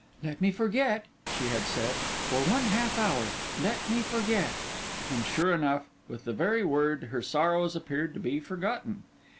'Let me forget,' she had said, 'for one half hour, let me forget;' and sure enough, with the very word, her sorrows appeared to be forgotten.